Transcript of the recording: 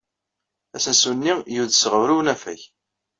Asensu-nni yudes ɣer unafag?